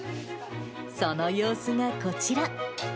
その様子がこちら。